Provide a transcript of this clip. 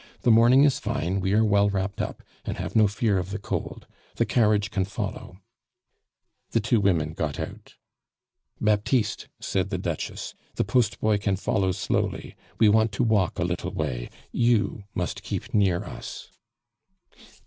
The morning is fine, we are well wrapped up, and have no fear of the cold. The carriage can follow." The two women got out. "Baptiste," said the Duchess, "the post boy can follow slowly; we want to walk a little way. You must keep near us."